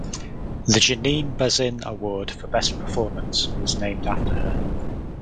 The Janine Bazin Award for Best Performance was named after her.